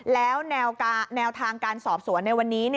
แล้วแนวทางการสอบสวนในวันนี้